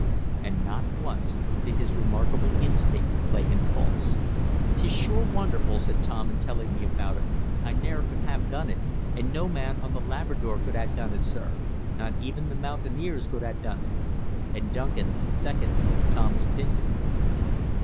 And not once did his remarkable instinct play him false. "'Tis sure wonderful," said Tom, in telling me about it. "I ne'er could ha' done it, an' no man on Th' Labrador could ha' done it, sir. Not even th' Mountaineers could ha' done it." And Duncan seconded Tom's opinion.